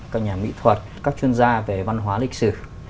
các nhà mỹ thuật các chuyên gia về văn hóa lịch sử